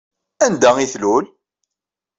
Anda ay tlul?